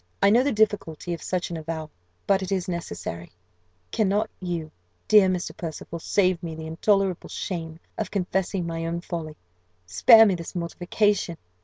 I know the difficulty of such an avowal but it is necessary." "Cannot you, dear Mr. Percival, save me the intolerable shame of confessing my own folly? Spare me this mortification!